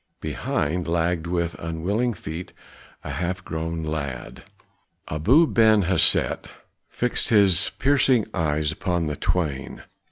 Behind lagged with unwilling feet a half grown lad. Abu Ben Hesed fixed his piercing eyes upon the twain.